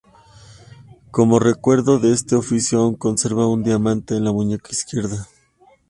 Como recuerdo de este oficio aún conserva un diamante en la muñeca izquierda.